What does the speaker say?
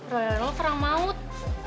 rololol terang maut